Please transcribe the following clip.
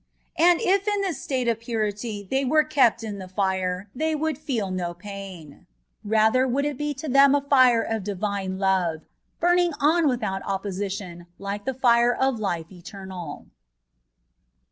And if in this state of purity they were kept in the fire, they would feel no pain ; ra ther it would be to them a fire of Divine Love, bùming on without opposition, like the fire of life eternai.